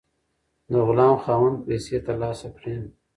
د غلام خاوند پیسې ترلاسه کړې.